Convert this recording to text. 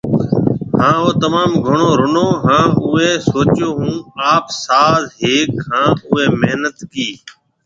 او تموم گھڻو رونو هان اوئي سوچيو هون آپ ساز ۿيکيۿ، هان اوئي محنت ڪي